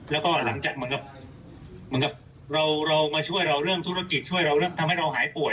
แล้วก็หลังจากเหมือนกับเหมือนกับเรามาช่วยเราเรื่องธุรกิจช่วยเราแล้วทำให้เราหายป่วย